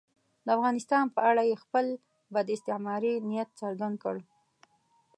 د افغانستان په اړه یې خپل بد استعماري نیت څرګند کړ.